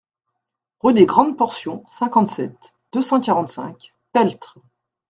Rue des Grandes Portions, cinquante-sept, deux cent quarante-cinq Peltre